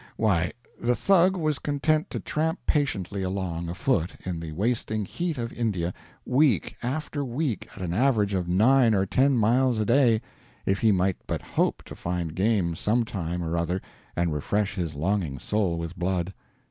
Why, the Thug was content to tramp patiently along, afoot, in the wasting heat of India, week after week, at an average of nine or ten miles a day, if he might but hope to find game some time or other and refresh his longing soul with blood.